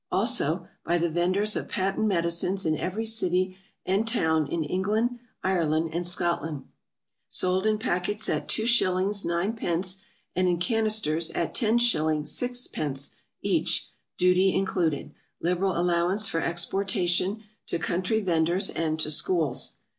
Also, by the Venders of Patent Medicines in every City and Town, in England, Ireland and Scotland. Sold in Packets at 2s. 9d. and in Cannisters at 10s. 6d. each, Duty included. Liberal Allowance for Exportation, to Country Venders and to Schools.